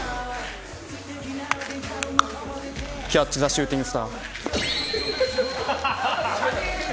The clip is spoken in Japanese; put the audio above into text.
キャッチザシューティングスター。